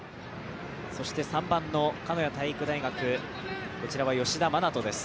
３番の鹿屋体育大学、こちらは吉田真那斗です。